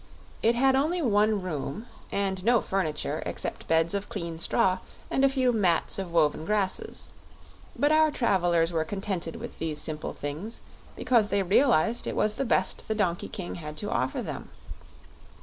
It had only one room and no furniture except beds of clean straw and a few mats of woven grasses; but our travelers were contented with these simple things because they realized it was the best the Donkey King had to offer them.